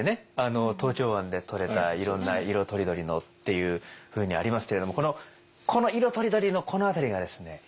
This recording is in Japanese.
東京湾でとれたいろんな色とりどりのっていうふうにありますけれどもこの「色とりどり」のこの辺りがですね